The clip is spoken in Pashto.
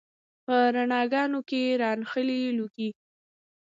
په رڼاګانو کې رانغښي لوګي